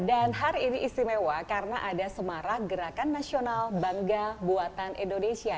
dan hari ini istimewa karena ada semarak gerakan nasional bangga buatan indonesia